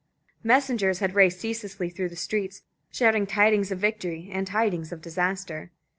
Messengers had raced ceaselessly through the streets, shouting tidings of victory and tidings of disaster.